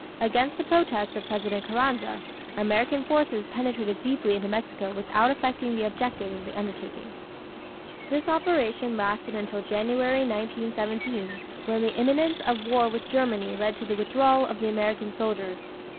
Against the protests of President Carranza, American forces penetrated deeply into Mexico without effecting the object of the undertaking. This operation lasted until January, 1917, when the imminence of war with Germany led to the withdrawal of the American soldiers.